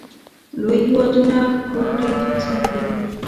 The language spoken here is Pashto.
لوی هېوادونه هوکړې خنثی کړي.